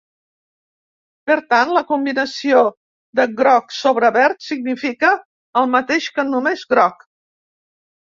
Per tant, la combinació de groc sobre verd significa el mateix que només groc.